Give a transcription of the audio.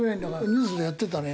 ニュースでやってたね。